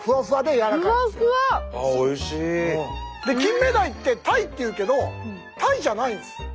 キンメダイって「タイ」っていうけどタイじゃないんです。